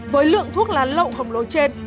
với lượng thuốc lá lậu hồng lôi trên